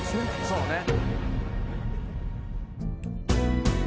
そうね。